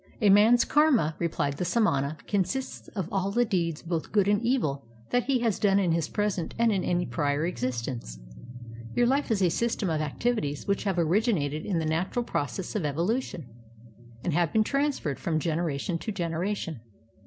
"A man's karma'' replied the samana, "consists of all the deeds both good and e\'il that he has done in his present and in any prior existence. Your Uf e is a system of many acti\ities which have originated in the natural process of evolution, and have been transferred from generation to generation.